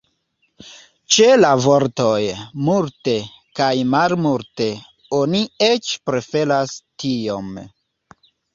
Ĉe la vortoj "multe" kaj "malmulte" oni eĉ preferas "tiom".